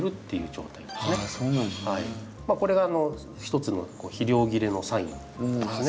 これが一つの肥料切れのサインですね。